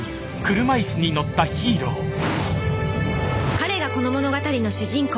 彼がこの物語の主人公